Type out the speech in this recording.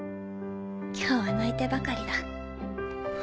今日は泣いてばかりだ」。